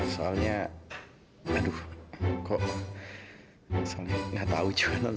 soalnya aduh kok soalnya gak tau juga non